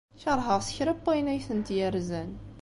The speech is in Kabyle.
Keṛheɣ s kra n wayen ay tent-yerzan.